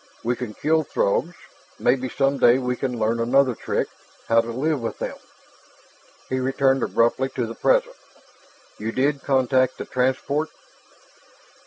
"We can kill Throgs. Maybe someday we can learn another trick how to live with them." He returned abruptly to the present. "You did contact the transport?"